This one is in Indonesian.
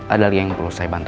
ada lagi yang perlu saya bantu